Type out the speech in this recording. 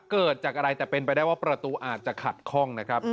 เกิดจากอะไรแต่เป็นไปได้ว่าประตูอาจจะขัดข้องนะครับ